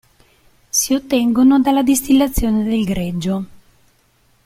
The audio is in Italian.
Si ottengono dalla distillazione del greggio.